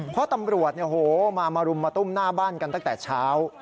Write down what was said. เพราะตำรวจมารุมมาตุ้มหน้าบ้านกันตั้งแต่เช้า